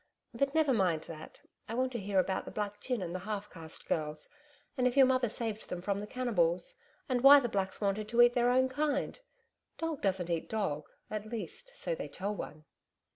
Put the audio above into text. But never mind that.... I want to hear about the black gin and the half caste girls, and if your mother saved them from the cannibals ... and why the blacks wanted to eat their own kind. Dog doesn't eat dog at least, so they tell one.'